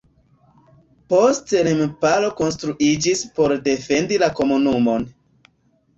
Poste remparo konstruiĝis por defendi la komunumon.